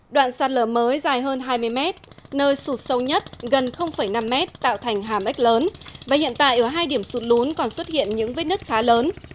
đoạn sạt lở mới dài hơn hai mươi mét nơi sụt sâu nhất gần năm mét tạo thành hàm ếch lớn và hiện tại ở hai điểm sụt lún còn xuất hiện những vết nứt khá lớn